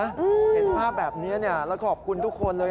เห็นภาพแบบนี้แล้วขอบคุณทุกคนเลย